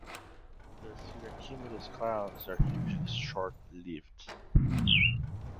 Thus cirrocumulus clouds are usually short-lived.